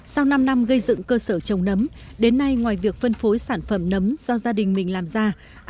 sau năm năm gây dựng cơ sở trồng nấm đến nay ngoài việc phân phối sản phẩm nấm do gia đình mình làm ra